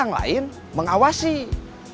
yang lain mengawasi dompetnya